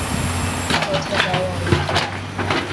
কথা দাও আমাকে!